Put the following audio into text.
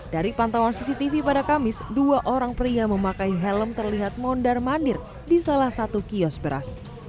dari pantauan cctv pada kamis dua orang pria memakai helm terlihat mondar mandir di salah satu kios beras